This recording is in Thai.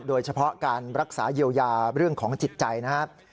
โดยเฉพาะการรักษาเยียวยาเรื่องของจิตใจนะครับ